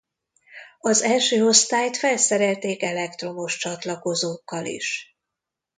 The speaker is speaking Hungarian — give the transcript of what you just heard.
Az első osztályt felszerelték elektromos csatlakozókkal is.